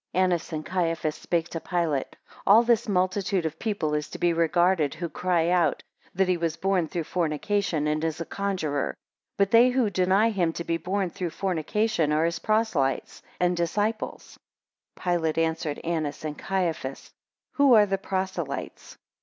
10 Annas and Caiphas spake to Pilate, All this multitude of people is to be regarded, who cry out, that he was born through fornication, and is a conjurer; but they who deny him to be born through fornication, are his proselytes and disciples. 11 Pilate answered Annas and Caiphas, Who are the proselytes?